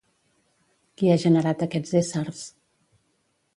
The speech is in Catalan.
Qui ha generat aquests éssers?